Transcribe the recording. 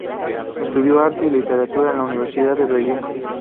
Estudió arte y literatura en la Universidad de Bergen.